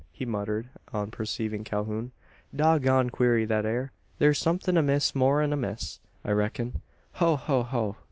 he muttered, on perceiving Calhoun. "Dog goned queery thet air! Thur's somethin' amiss, more'n a miss, I reck'n. Ho, ho, ho!